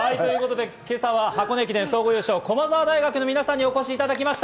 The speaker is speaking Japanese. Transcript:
今朝は箱根駅伝総合優勝・駒澤大学の皆さんにお越しいただきました。